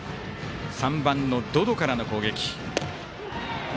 ３番の百々からの攻撃。